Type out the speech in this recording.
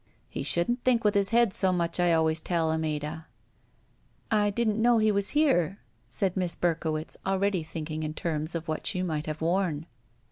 He shouldn't think with his head so much, I always tell him, Ada." "I didn't know he was here," said Miss Berk owitz, already thinking in terms of what she might have worn.